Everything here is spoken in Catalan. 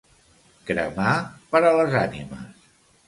Cremar per a les ànimes.